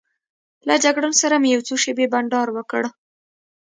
له جګړن سره مې یو څو شېبې بانډار وکړ.